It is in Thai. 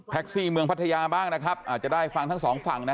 ซี่เมืองพัทยาบ้างนะครับอาจจะได้ฟังทั้งสองฝั่งนะ